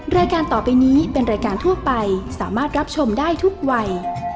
รายการต่อไปนี้เป็นรายการทั่วไปสามารถรับชมได้ทุกวัย